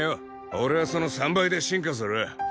俺はその３倍で進化する。